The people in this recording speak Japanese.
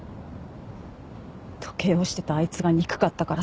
時計をしてたあいつが憎かったから。